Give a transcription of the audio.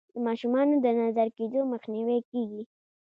د ماشومانو د نظر کیدو مخنیوی کیږي.